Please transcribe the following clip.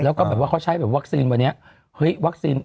แล้วเขาใช้วัคซีนวันนี้